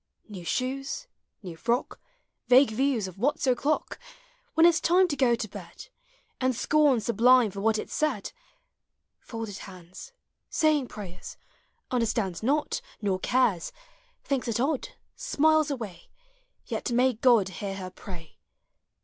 New shoes, New frock, Vague views Of what 's o'clock, When it's time To go to bed, And scorn sublime For what it said; Folded hands, Saying prayers, Understands Not. nor cares; Thinks it odd, Smiles away; Yet may (Sod Hear her pray!